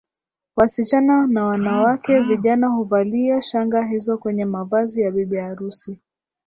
wasichana na wanawake vijana huvalia shanga hizo kwenye mavazi ya bibi harusi